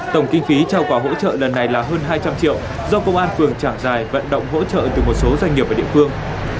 tổng kinh phí trao quà hỗ trợ lần này là hơn hai trăm linh triệu do công an phường trảng giải vận động hỗ trợ từ một số doanh nghiệp ở địa phương